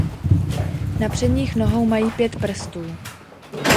Na předních nohou mají pět prstů.